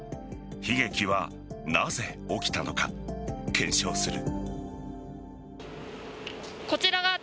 悲劇は、なぜ起きたのか検証する。